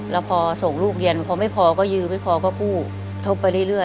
แล้วพอส่งลูกเรียนพอไม่พอก็ยืนไม่พอก็กู้